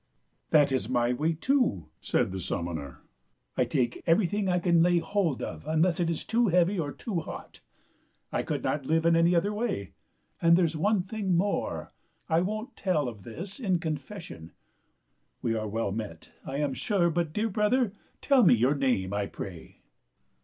" That is my way, too," said the summoner. " I take everything I can lay hold of unless it is too heavy or too hot. I could not live in any other way ; and there 's one thing more, I won't tell of this in confession. We are well met, I am sure ; but, dear brother, tell me your name, I pray."